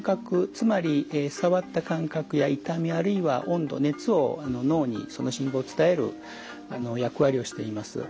つまり触った感覚や痛みあるいは温度熱を脳にその信号を伝える役割をしています。